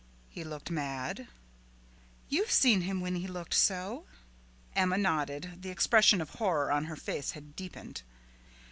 "He looked mad?" "You've seen him when he looked so." Emma nodded. The expression of horror on her face had deepened.